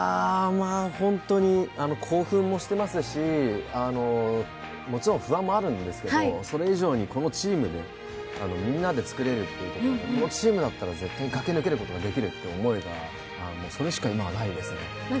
ホントに興奮もしてますし、もちろん不安もあるんですけど、それ以上に、このチームでみんな作れるっていうこのチームだったら絶対に駆け抜けることができると思えばそれしか今はないですね。